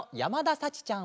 さちちゃん。